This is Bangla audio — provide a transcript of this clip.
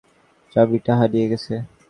চাবিটা হারিয়ে গেছে!